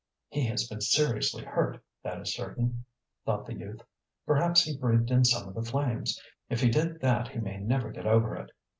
"He has been seriously hurt, that is certain," thought the youth. "Perhaps he breathed in some of the flames. If he did that he may never get over it."